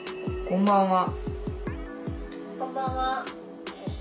こんばんは。